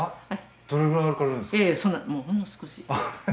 どれぐらい歩かれるんですか？